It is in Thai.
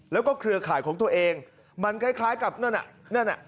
แล้วก็เครือข่ายของตัวเองมันคล้ายกับนั่นน่ะนั่นน่ะ